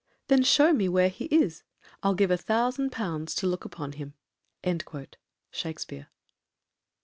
Then show me where he is; I'll give a thousand pounds to look upon him. Shakespeare.